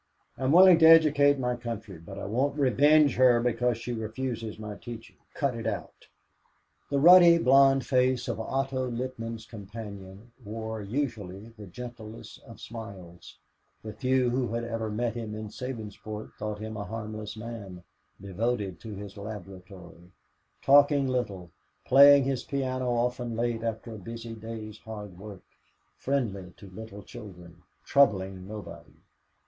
I'm willing to educate my country, but I won't revenge her because she refuses my teaching. Cut it out." The ruddy blond face of Otto Littman's companion wore usually the gentlest of smiles the few who had ever met him in Sabinsport thought him a harmless man, devoted to his laboratory talking little, playing his piano often late after a busy day's hard work, friendly to little children, troubling nobody.